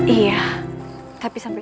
iya tapi sampai